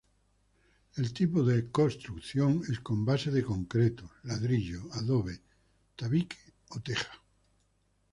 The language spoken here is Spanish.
El tipo de construcción es con base de concreto, ladrillo, adobe, tabique o teja.